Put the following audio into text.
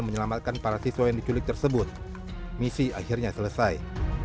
menyelamatkan para siswa yang diculik tersebut misi akhirnya selesai